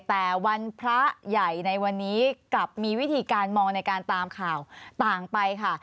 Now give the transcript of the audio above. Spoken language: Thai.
แต่วันพระใหญ่ในวันนี้กลับมีวิธีการมองในการตามข่าวต่างไปค่ะ